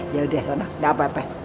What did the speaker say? yaudah sana gak apa apa